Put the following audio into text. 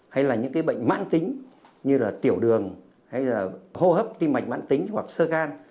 hay là những bệnh mãn tính như tiểu đường hô hấp tim mạch mãn tính hoặc sơ gan